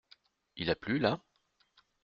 Il a plu là ?